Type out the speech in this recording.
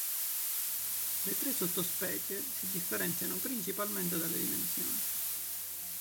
Le tre sottospecie si differenziano principalmente dalle dimensioni.